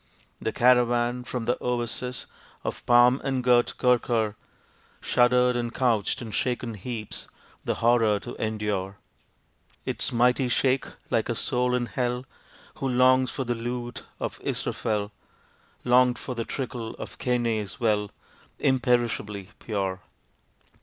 The caravan from the oasis Of palm engirt Kûrkûr Shuddered and couched in shaken heaps, The horror to endure. Its mighty Sheik, like a soul in Hell Who longs for the lute of Israfel, Longed for the trickle of Keneh's well, Imperishably pure!